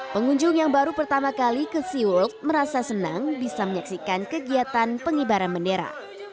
pengunjung yang baru pertama kali ke seaworld merasa senang bisa menyaksikan kegiatan pengibaran bendera